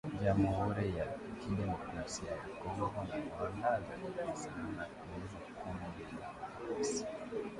Jamhuri ya Kidemokrasia ya Kongo na Rwanda zajibizana kuhusu kundi la waasi